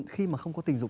khi mà không có tình dục